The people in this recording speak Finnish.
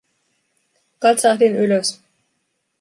Katsahdin ylös.